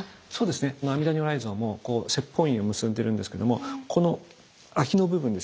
この阿弥陀如来像も説法印を結んでるんですけどもこの空きの部分ですよね